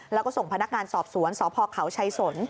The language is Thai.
แล้วก็ส่งพนักงานสอบสวนสพเขาชัยสน